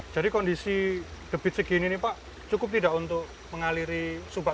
jadi kondisi debit segini ini pak cukup tidak untuk mengaliri subak